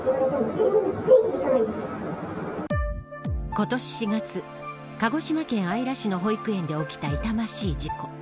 今年４月鹿児島県姶良市の保育園で起きた痛ましい事故。